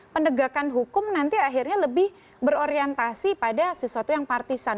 pendegakan hukum nanti lebih berorientasi pada sesuatu yang partisan